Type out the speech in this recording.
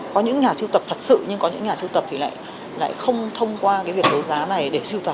có những nhà sưu tập thật sự nhưng có những nhà sưu tập lại không thông qua việc đấu giá này để sưu tập